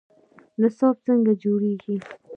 نصاب څنګه جوړیږي؟